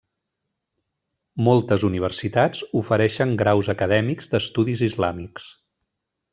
Moltes universitats ofereixen graus acadèmics d'estudis islàmics.